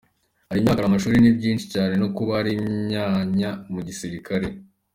Hari imyaka, hari amashuri, ni byinshi cyane no kuba hari imyanya mu gisirikare.